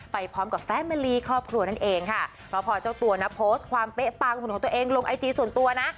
ไปพร้อมกับแฟนมะลีครอบครัวนั่นเองค่ะเพราะพอเจ้าตัวนะโพสต์ความเป๊ะปังของตัวเองลงไอจีส่วนตัวนะ